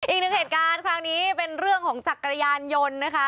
อีกหนึ่งเหตุการณ์ครั้งนี้เป็นเรื่องของจักรยานยนต์นะคะ